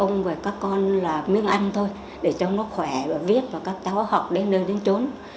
ông và các con là miếng ăn thôi để cho nó khỏe và viết và các cháu học đến nơi đến trốn